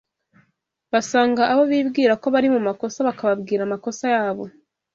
Basanga abo bibwira ko bari mu makosa bakababwira amakosa yabo